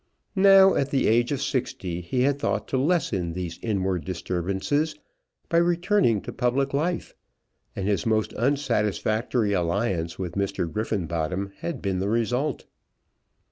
Now, at the age of sixty, he had thought to lessen these inward disturbances by returning to public life, and his most unsatisfactory alliance with Mr. Griffenbottom had been the result.